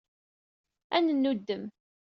Ad nennuddem.